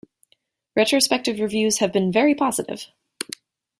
Retrospective reviews have been very positive.